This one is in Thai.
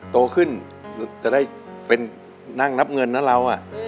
โตขึ้นจะได้เป็นนั่งนับเงินนะเรา